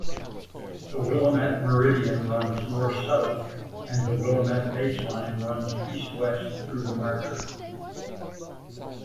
The Willamette meridian runs north-south, and the Willamette baseline runs east-west through the marker.